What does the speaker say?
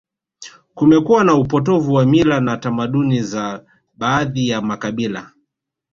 Kumekuwa na upotovu wa mila na tamaduni za baadhi ya makabila